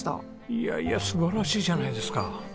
いやいや素晴らしいじゃないですか。